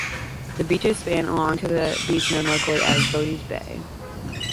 The beaches span along to the beach known locally as "Boatie's Bay".